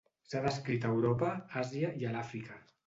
S'ha descrit a Europa, Àsia i a l'Àfrica.